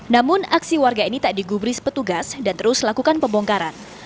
namun aksi warga ini tak digubris petugas dan terus lakukan pembongkaran